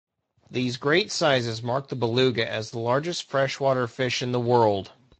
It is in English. These great sizes mark the beluga as the largest freshwater fish in the world.